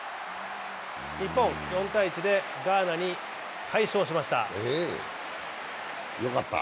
日本、４−１でガーナに快勝しました。